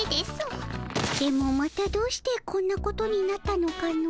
でもまたどうしてこんなことになったのかの？